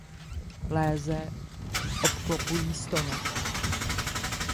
Léze obklopují stonek.